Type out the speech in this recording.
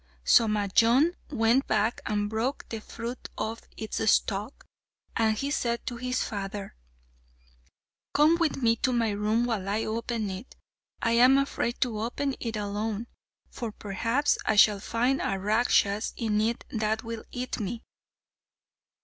So Majnun went back and broke the fruit off its stalk; and he said to his father, "Come with me to my room while I open it; I am afraid to open it alone, for perhaps I shall find a Rakshas in it that will eat me."